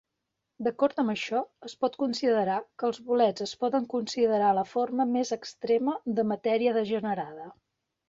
D'acord amb això, es pot considerar que els bolets es poden considerar la forma més extrema de matèria degenerada.